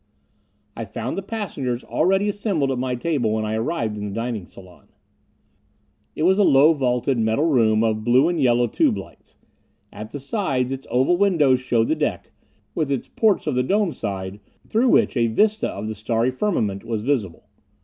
I found the passengers already assembled at my table when I arrived in the dining salon. It was a low vaulted metal room of blue and yellow tube lights. At the sides its oval windows showed the deck, with its ports of the dome side, through which a vista of the starry firmament was visible.